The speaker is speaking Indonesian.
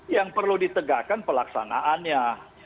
yang perlu ditegakkan pelaksanaannya